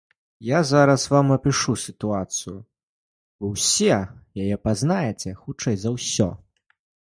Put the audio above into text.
Я зараз вам апішу сітуацыю, вы ўсе яе пазнаеце, хутчэй за ўсё.